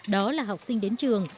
đó là học sinh đến trường